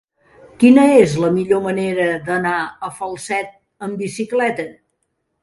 Quina és la millor manera d'anar a Falset amb bicicleta?